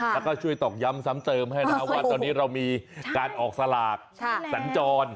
แล้วก็ช่วยตอกย้ำซ้ำเติมให้นะครับว่าตอนนี้เรามีการออกสลากสัญจร